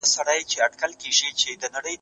د غلامۍ رد وشو.